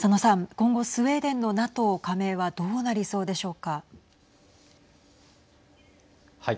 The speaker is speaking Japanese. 今後スウェーデンのＮＡＴＯ加盟はどうなりそうでしょうか。